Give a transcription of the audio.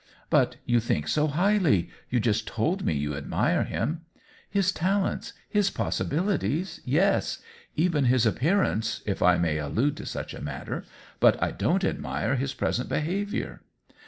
" But you think so highly ! You just told me you admire him." " His talents, his possibilities, yes ; even his appearance, if I may allude to such a mat ter. But I don't admire his present behavior."